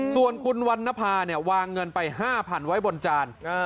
ส่วนคุณวันนภาเนี่ยวางเงินไป๕๐๐๐ไว้บนจาน